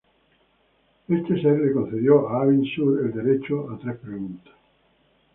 Este ser le concedió a Abin Sur el derecho a tres preguntas.